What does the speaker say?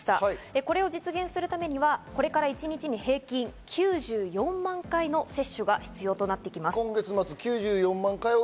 これを実現するためにはこれから一日に平均９４万回の接種が必要となってきます。